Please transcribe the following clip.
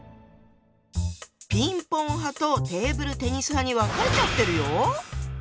ピンポン派とテーブルテニス派に分かれちゃってるよ。